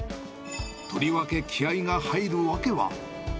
とりわけ気合いが入るわけは。